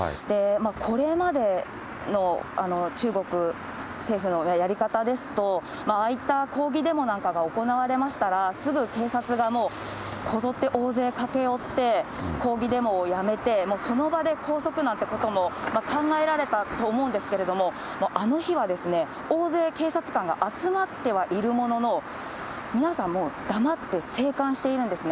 これまでの中国政府のやり方ですと、ああいった抗議デモなんかが行われましたら、すぐ警察がもうこぞって大勢駆け寄って、抗議デモをやめて、もうその場で拘束なんてことも考えられたと思うんですけれども、あの日は大勢警察官が集まってはいるものの、皆さんもう黙って静観しているんですね。